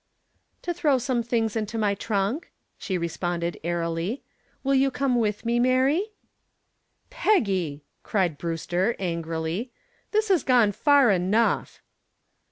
"To throw some things into my trunk," she responded airily. "Will you come with me, Mary?" "Peggy!" cried Brewster angrily. "This has gone far enough."